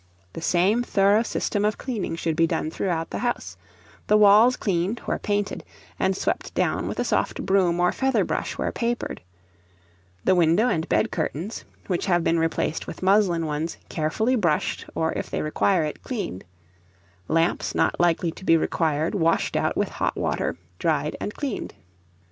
The same thorough system of cleaning should be done throughout the house; the walls cleaned where painted, and swept down with a soft broom or feather brush where papered; the window and bed curtains, which have been replaced with muslin ones, carefully brushed, or, if they require it, cleaned; lamps not likely to be required, washed out with hot water, dried, and cleaned.